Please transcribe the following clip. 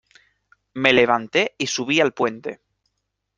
me levanté y subí al puente.